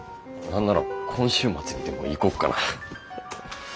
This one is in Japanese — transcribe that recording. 何なら今週末にでも行こっかな。